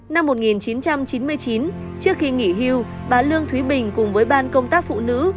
năm một nghìn chín trăm chín mươi chín trước khi nghỉ hưu bà lương thúy bình cùng với ban công tác phụ nữ